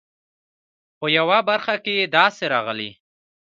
په یوه برخه کې یې داسې راغلي.